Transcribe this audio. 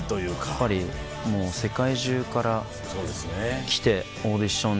やっぱり世界中から来てオーディションに。